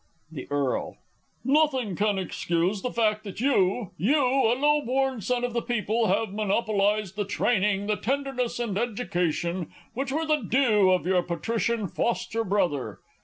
The E. Nothing can excuse the fact that you you, a low born son of the people, have monopolised the training, the tenderness and education, which were the due of your Patrician foster brother.